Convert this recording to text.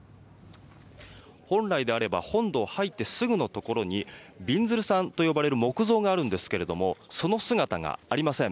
本来であれば本堂入ってすぐのところにびんずるさんと呼ばれる木像があるんですけれどその姿がありません。